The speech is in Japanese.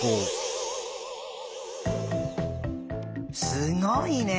すごいね！